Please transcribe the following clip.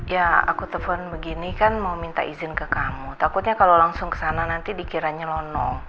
ya aku telepon begini kan mau minta izin ke kamu takutnya kalau langsung ke sana nanti dikiranya lonong